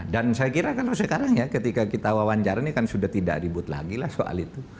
dan saya kira kalau sekarang ya ketika kita wawancara ini kan sudah tidak ribut lagi lah soal itu